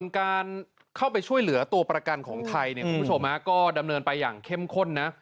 การเข้าไปช่วยเหลือตัวประกันของไทยเนี่ยคุณผู้ชมก็ดำเนินไปอย่างเข้มข้นนะ